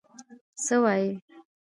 _څه وايي؟